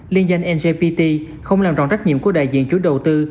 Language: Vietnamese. liên danh ngbt không làm trọn trách nhiệm của đại diện chủ đầu tư